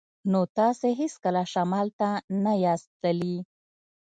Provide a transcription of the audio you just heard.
نو تاسې هیڅکله شمال ته نه یاست تللي